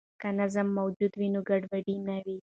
که نظم موجود وي، نو ګډوډي نه وي.